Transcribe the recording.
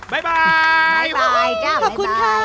บายจ้ะขอบคุณค่ะ